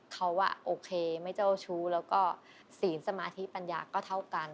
เขาโอเคไม่เจ้าชู้แล้วก็ศีลสมาธิปัญญาก็เท่ากัน